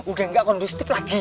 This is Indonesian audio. udah gak kondusif lagi